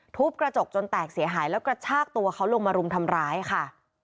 ทุบกระจกจนแตกเสียหายแล้วกระชากตัวเขาลงมารุมทำร้ายค่ะ